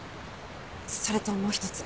それともう一つ